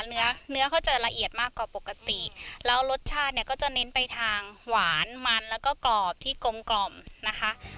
เนื้อเขาจะละเอียดมากกว่าปกติแล้วรสชาติก็จะเน้นไปทางหวานมันและกรอบที่กลมนะคะ